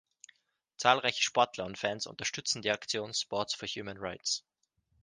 Zahlreiche Sportler und Fans unterstützen die Aktion „Sports for Human Rights“.